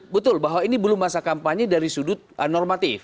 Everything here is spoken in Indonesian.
betul bahwa ini belum masa kampanye dari sudut normatif